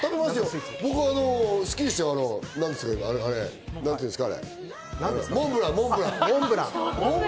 僕は好きですよ。なんて言うんですか？